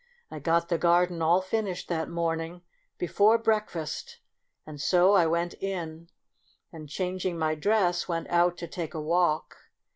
I got the garden all finished that morning before breakfast, and so I went in, and changing my dress went out to take a walk.